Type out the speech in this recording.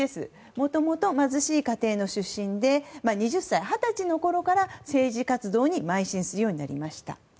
もともと貧しい家庭の出身で２０歳、二十歳のころから政治活動に邁進するようになりました。